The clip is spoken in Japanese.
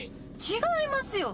違いますよ。